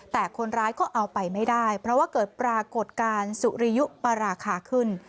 แต่คนร้ายก็เอาไปไม่ได้เพราะว่าเกิดปรากฏการณ์สุริยุปราคาขึ้น